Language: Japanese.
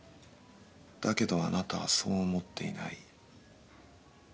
だけどあなたはそう思っていない。